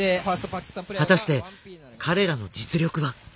果たして彼らの実力は？